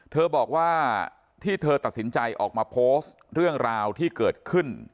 เธอบอกว่าที่เธอตัดสินใจออกมาโพสต์เรื่องราวที่เกิดขึ้น